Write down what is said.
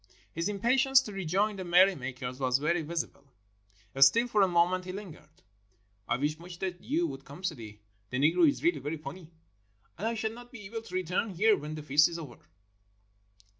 His impatience to rejoin the merry makers was very visible; still, for a moment he lingered. "I wish much that you would come, Sidi. The Negro is really very funny. And I shall not be able to return here when the feast is over."